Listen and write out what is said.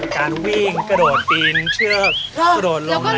การวิ่งกระโดดปีนเชื่อบกระโดดลองไหนอย่างนี้